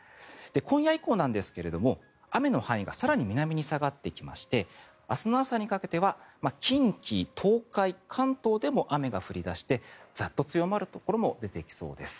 今夜以降なんですが、雨の範囲が更に南に下がってきまして明日の朝にかけては近畿、東海、関東でも雨が降り出してザッと強まるところもありそうです。